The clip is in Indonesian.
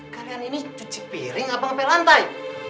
kalian ini cuci piring apa ngapain lantai